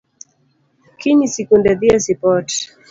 Kiny sikunde dhi e sipot